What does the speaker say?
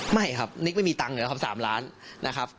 ไม่ครับนิ๊กไม่มีตังค์เหรอครับ๓ล้านนะครับ